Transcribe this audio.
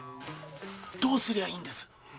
どうすりゃいいんです？